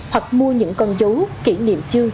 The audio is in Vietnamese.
hoặc mua những con dấu kỷ niệm chư